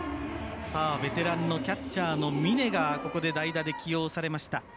ベテランのキャッチャーの峰が代打で起用されました。